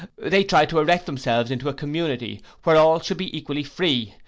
They tried to erect themselves into a community, where all should be equally free.